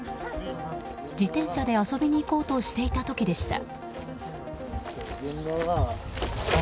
自転車で遊びに行こうとしていた時でした。